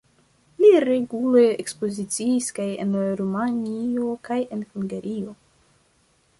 Li regule ekspoziciis kaj en Rumanio kaj en Hungario.